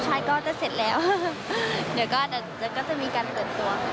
ใช่ก็จะเสร็จแล้วเดี๋ยวก็จะมีการเปิดตัว